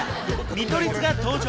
見取り図が登場